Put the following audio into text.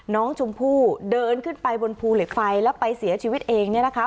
น้องชมพู่เดินขึ้นไปบนภูเหล็กไฟแล้วไปเสียชีวิตเองเนี่ยนะคะ